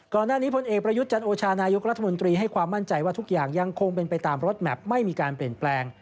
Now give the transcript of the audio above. ก่อนหน้านี้พลเอกประยุทธ์จันโอชานายกรัฐมนตรีให้ความมั่นใจว่าทุกอย่างยังคงเป็นไปตามรถแมพไม่มีการเปลี่ยนแปลง